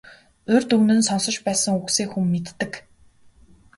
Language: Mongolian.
Урьд өмнө нь сонсож байсан үгсээ хүн мэддэг.